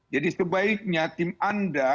jadi sebaiknya tim anda